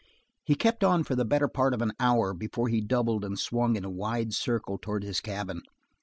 He kept on for the better part of an hour before he doubled and swung in a wide circle towards his cabin.